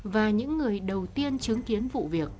và những người đầu tiên chứng kiến vụ việc